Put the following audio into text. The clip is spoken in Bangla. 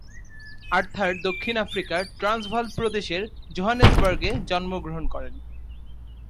আর্থার দক্ষিণ আফ্রিকার ট্রান্সভাল প্রদেশের জোহেন্সবার্গে জন্মগ্রহণ করেন।